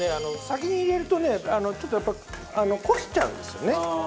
先に入れるとねちょっとやっぱ焦げちゃうんですよね。